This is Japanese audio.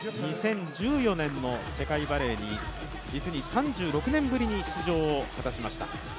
２０１４年の世界バレーに、実に３６年ぶりに出場を果たしました。